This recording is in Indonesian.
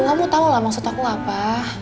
kamu tau lah maksud aku apa